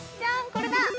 これだ！